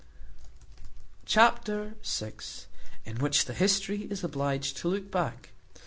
Chapter vi. In which the history is obliged to look back.